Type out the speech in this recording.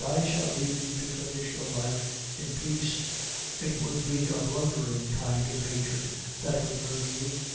'I shall leave you to finish your life in peace. It would be a blundering kind of hatred that would murder you!